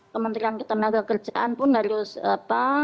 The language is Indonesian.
kementerian ketenagakerjaan pun harus apa